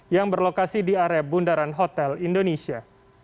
yang berlokasi di area bundaran hotel indonesia